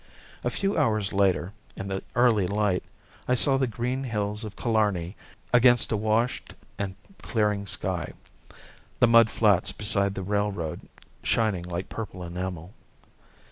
A few hours later, in the early light, I saw the green hills of Killarney against a washed and clearing sky, the mud flats beside the railway shining like purple enamel.